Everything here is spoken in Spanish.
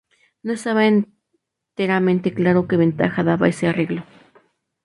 No estaba enteramente claro que ventaja daba ese arreglo.